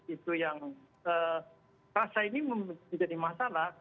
itu yang rasa ini menjadi masalah